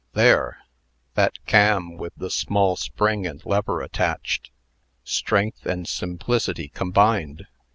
"There that cam with a small spring and lever attached. Strength and simplicity combined.